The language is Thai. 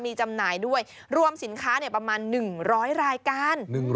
มีจำหน่ายด้วยรวมสินค้าประมาณ๑๐๐รายการ